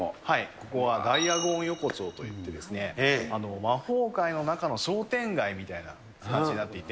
ここはダイアゴン横丁といってですね、魔法界の中の商店街みたいな形になっていて。